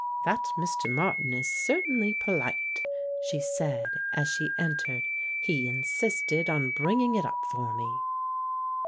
"That Mr. Martin is certain ly polite," she said, as she entered; "he insisted on bringing it up for me."